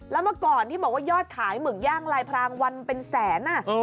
แล้วเมื่อก่อนที่บอกว่ายอดขายหมึกย่างลายพรางวันเป็นแสน